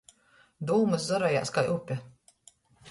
Dūmys zorojās kai upe.